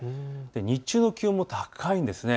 日中の気温も高いんです。